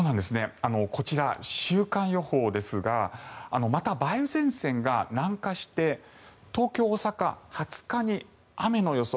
こちら、週間予報ですがまた梅雨前線が南下して東京、大阪、２０日に雨の予想。